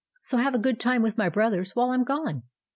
So have a good time with my brothers while I 'm gone."